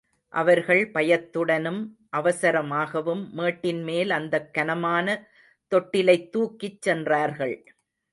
அவர்கள் பயத்துடனும் அவசரமாகவும், மேட்டின்மேல் அந்தக் கனமான தொட்டிலைத் தூக்கிச் சென்றார்கள்.